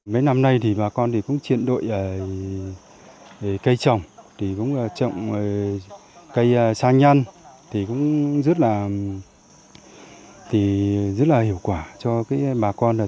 mấy năm nay bà con cũng triện đội cây trồng cây sa nhân rất hiệu quả cho bà con